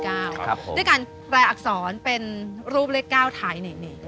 ครับผมด้วยการแปลอักษรเป็นรูปเลข๙ถ่ายเหนียง